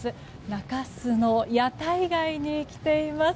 中洲の屋台街に来ています。